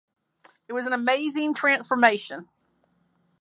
It was an amazing transformation.